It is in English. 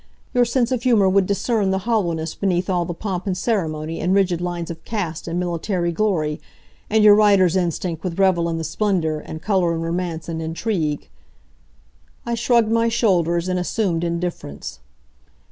Your sense of humor would discern the hollowness beneath all the pomp and ceremony and rigid lines of caste, and military glory; and your writer's instinct would revel in the splendor, and color and romance and intrigue." I shrugged my shoulders in assumed indifference.